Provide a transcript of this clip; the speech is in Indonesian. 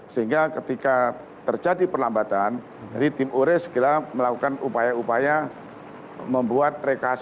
sehingga ketika terjadi perlambatan tim ure segera melakukan upaya upaya membuat reka salur lintas